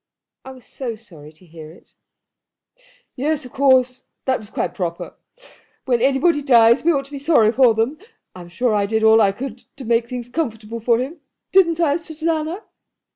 "I was so sorry to hear it." "Yes, of course. That was quite proper. When anybody dies we ought to be sorry for them. I'm sure I did all I could to make things comfortable for him. Didn't I, Susanna?"